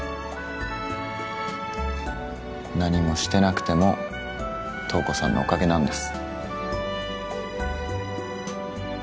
何もしてなくても瞳子さんのおかげなんです